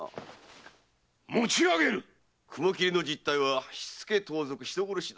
雲切の実体は火付け盗賊人殺しだ。